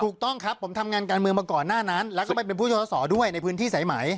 ถูกต้องครับผมทำงานการเมืองมาก่อนหน้านั้นแล้วก็ไม่เป็นผู้ช่วยสอสอด้วยในพื้นที่สายไหม